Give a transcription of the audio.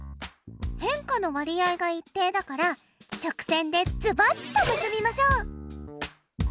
変化の割合が一定だから直線でズバッと結びましょう。